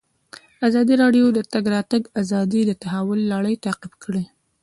ازادي راډیو د د تګ راتګ ازادي د تحول لړۍ تعقیب کړې.